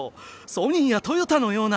ソニーやトヨタのような！